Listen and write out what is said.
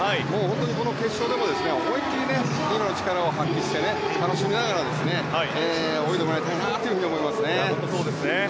この決勝でも思いっ切り力を発揮して楽しみながら泳いでもらいたいなと思いますね。